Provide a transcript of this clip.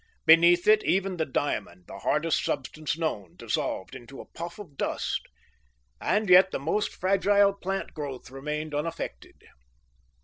Beneath it, even the diamond, the hardest substance known, dissolved into a puff of dust; and yet the most fragile plant growth remained unaffected.